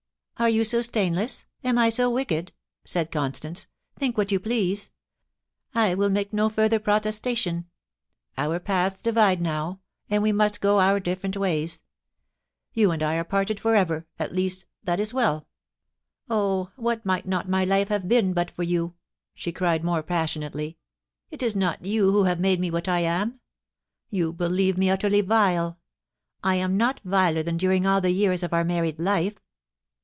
* Are you so stainless ? Am I so wicked ?* said Constance, * Think what you please. I will make no further protesta ¥S. ,»^* 520 POLICY AXD PASSIOJV. don. Our paths divide now, and we must go our different ways You and I are parted for erer — at least, that is wdL ... Oh, what might not my life have been but for you ? she cried, more passionately. ' Is it not you who have made me what I am ? You believe me utterly vile. I am not viler than during all the years of my married li^s.